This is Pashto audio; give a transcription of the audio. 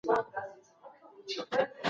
د پروګرامونو څارنه د درغليو مخنيوی کوي.